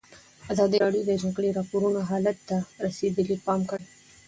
ازادي راډیو د د جګړې راپورونه حالت ته رسېدلي پام کړی.